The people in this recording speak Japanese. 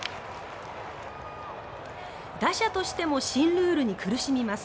打者としても新ルールに苦しみます。